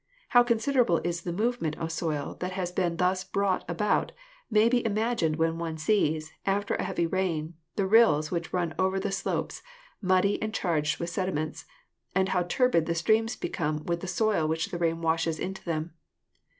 How considerable is the movement of soil that has thus been brought about may be imagined when one sees, after a heavy rain, the rills which run over the slopes, muddy and charged with sediments, and how turbid the streams become with the soil which the rain washes into them.